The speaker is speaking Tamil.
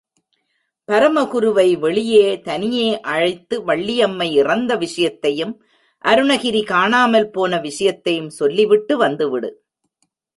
பரமகுருவை வெளியே தனியே அழைத்து வள்ளியம்மை இறந்த விஷயத்தையும், அருணகிரி காணாமல் போன விஷயத்தையும் சொல்லிவிட்டு வந்து விடு.